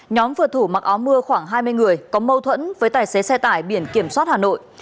nhóm vừa thủ mặc áo mưa khoảng hai mươi người có mâu thuẫn với tài xế xe tải biển kiểm soát hà nội